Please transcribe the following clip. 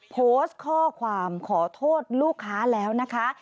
โพสต์ข้อความขอโทษลูกค้าแล้วนะคะ